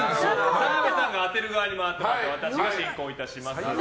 澤部さんが当てる側に回ってもらって私が進行いたします。